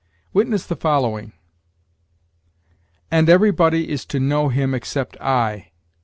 Witness the following: "And everybody is to know him except I."